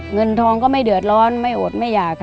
เงินทองก็ไม่เดือดร้อนไม่อดไม่อยากค่ะ